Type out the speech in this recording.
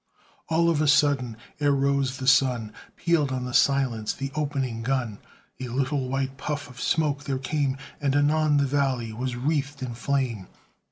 All of a sudden, ere rose the sun, Pealed on the silence the opening gun A little white puff of smoke there came, And anon the valley was wreathed in flame.